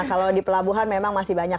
kalau di pelabuhan memang masih banyak